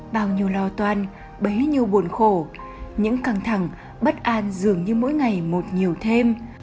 bao nhiêu lo toan bấy nhiêu buồn khổ những căng thẳng bất an dường như mỗi ngày một nhiều thêm